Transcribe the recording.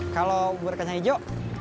kalau buat kacang hijau